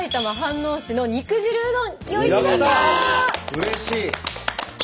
うれしい！